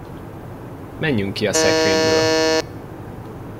Menjünk ki a szekrényből!